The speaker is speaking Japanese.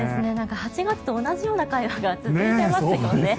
８月と同じような会話が続いていますよね。